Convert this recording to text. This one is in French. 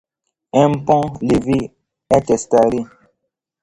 Un pont-levis est installé.